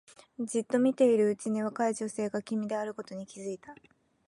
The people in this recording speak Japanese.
じっと見ているうちに若い女性が君であることに気がついた